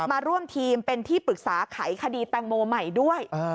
มาร่วมทีมเป็นที่ปรึกษาไขคดีแตงโมใหม่ด้วย